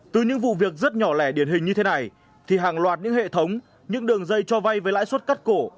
từ những vụ việc rất nhỏ lẻ điển hình như thế này thì hàng loạt những hệ thống những đường dây cho vay với lãi suất cắt cổ